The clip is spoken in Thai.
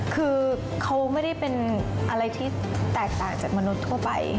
คือเขาไม่ได้เป็นอะไรที่แตกต่างจากมนุษย์ทั่วไป